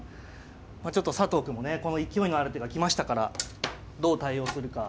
まあちょっと佐藤くんもねこの勢いのある手が来ましたからどう対応するか。